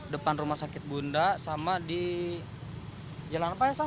depan rumah sakit bunda sama di jalan apa ya sam